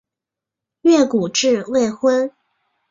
越谷治未婚。